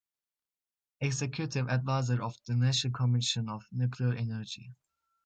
Executive Advisor of the National Commission of Nuclear Energy.